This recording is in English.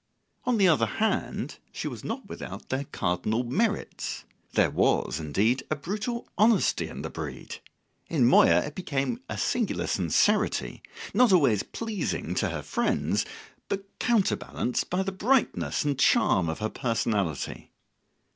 On the other hand, she was not without their cardinal merits. There was, indeed, a brutal honesty in the breed; in Moya it became a singular sincerity, not always pleasing to her friends, but counterbalanced by the brightness and charm of her personality.